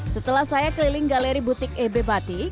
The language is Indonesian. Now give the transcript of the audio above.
setelah saya keliling gede trusmi